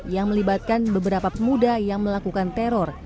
yang melibatkan beberapa pemuda yang melakukan teror